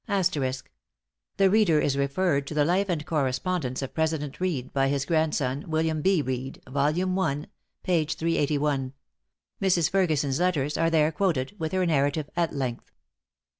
The reader is referred to the Life and Correspondence of President Reed, by his grandson, William B. Reed. Vol. i., 381. Mrs. Ferguson's letters are there quoted, with her narrative, at length.